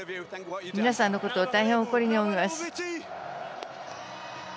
皆さんのことを大変誇りに思います。